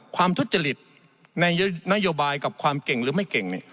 ทุจริตในนโยบายกับความเก่งหรือไม่เก่ง